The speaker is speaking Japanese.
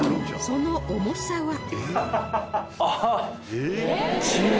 その重さは